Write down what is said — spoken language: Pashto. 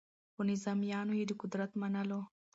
خو نظامیانو د قدرت منلو